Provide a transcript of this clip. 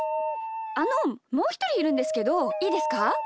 あのもうひとりいるんですけどいいですか？